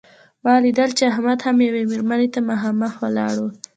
ما لیدل چې احمد هم یوې مېرمنې ته مخامخ ولاړ و.